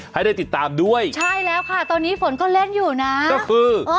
ให้ได้ติดตามด้วยใช่แล้วค่ะตอนนี้ฝนก็เล่นอยู่นะก็คือ